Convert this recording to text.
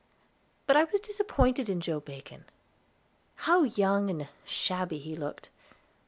But I was disappointed in Joe Bacon; how young and shabby he looked!